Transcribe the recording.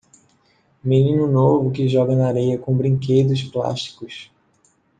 Menino novo que joga na areia com brinquedos plásticos.